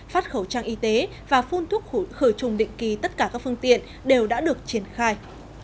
phát khẩu trang y tế và phun thuốc khử trùng định kỳ tất cả các phương tiện đều đã được triển khai